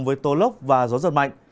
với tố lốc và gió giật mạnh